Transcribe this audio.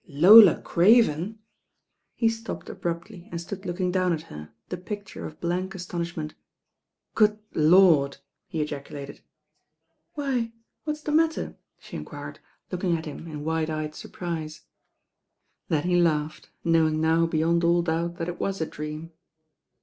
"Lola Craven 1" He stopped abruptly and stood looking down at her, the picture of blank astonish ment. "Good Lordl" he ejaculated. "Why, what's the matter?" she enquired, looking at him in wide eyed surprise. Then he laughed, knowing now beyond all doubt that it was a dream.